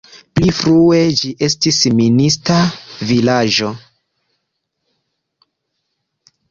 Pli frue ĝi estis minista vilaĝo.